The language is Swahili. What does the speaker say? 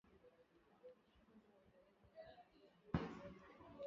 Anaendelea kuwaambia wakenya kwamba